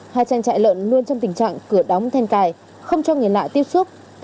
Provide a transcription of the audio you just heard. hai trang trại lợn luôn trong tình trạng cửa đóng then cài không cho người lạ tiếp xúc